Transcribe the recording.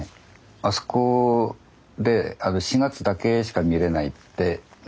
あそこで４月だけしか見れないってね